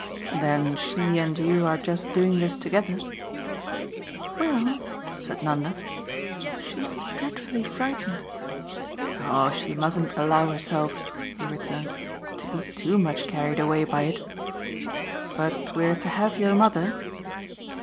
"Then she and you are just doing this together?" "Well," said Nanda, "she's dreadfully frightened." "Oh she mustn't allow herself," he returned, "to be too much carried away by it. But we're to have your mother?"